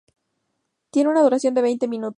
Tienen una duración de veinte minutos.